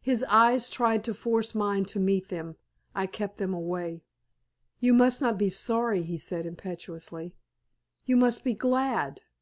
His eyes tried to force mine to meet them. I kept them away. "You must not be sorry," he said, impetuously; "you must be glad."